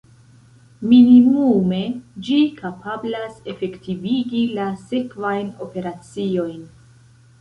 Minimume ĝi kapablas efektivigi la sekvajn operaciojn.